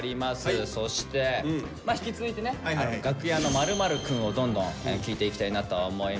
そして引き続いてね「楽屋の○○くん」をどんどん聞いていきたいなと思います。